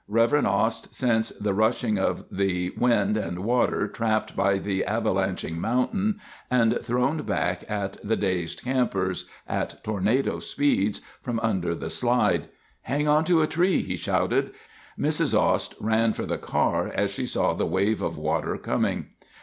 Rev. Ost sensed the rushing of the wind and water trapped by the avalanching mountain, and thrown back at the dazed campers—at tornado speeds—from under the slide. "Hang onto a tree!" he shouted. Mrs. Ost ran for the car as she saw the wave of water coming.